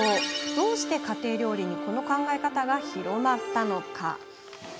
どうして家庭料理にこの考え方が広まったのか。